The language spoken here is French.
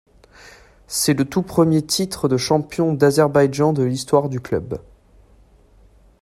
C'est le tout premier titre de champion d'Azerbaïdjan de l'histoire du club.